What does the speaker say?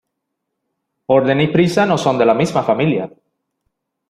Orden y prisa no son de la misma familia.